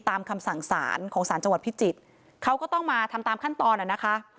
คำสั่งสารของสารจังหวัดพิจิตรเขาก็ต้องมาทำตามขั้นตอนอ่ะนะคะ